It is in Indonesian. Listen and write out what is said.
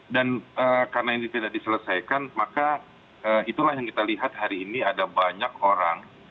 dan karena ini tidak diselesaikan maka itulah yang kita lihat hari ini ada banyak orang